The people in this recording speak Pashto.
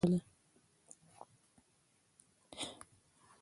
د طبیعت ښکلا هیڅوک نه شي پټولی.